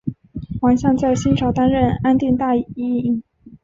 王向在新朝担任安定大尹。